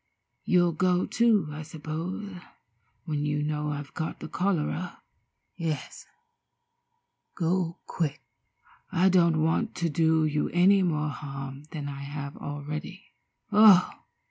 You'll go, too, I suppose, when you know I've got the cholera. Yes, go quick. I don't want to do you any more harm than I have already. Oh!"